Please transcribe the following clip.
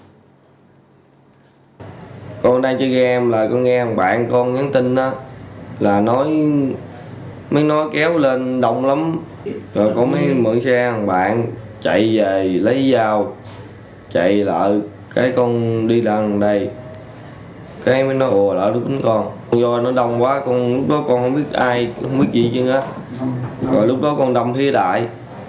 lúc đó còn không biết ai không biết gì hết lúc đó còn đồng thiên đại